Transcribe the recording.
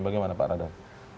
bagaimana pak radar